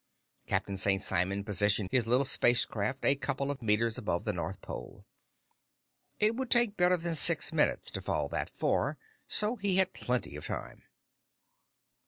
Captain St. Simon positioned his little spacecraft a couple of meters above the North Pole. It would take better than six minutes to fall that far, so he had plenty of time.